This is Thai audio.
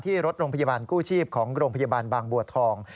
รถโรงพยาบาลกู้ชีพของโรงพยาบาลบางบัวทอง